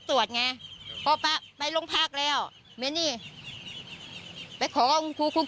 แต่อันนี้แจ้งจริง